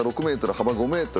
幅５ｍ